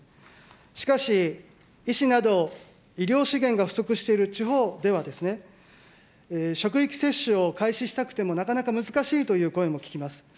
しかし、医師など医療資源が不足している地方では、職域接種を開始したくても、なかなか難しいという声も聞きます。